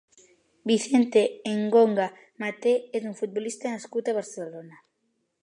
Vicente Engonga Maté és un futbolista nascut a Barcelona.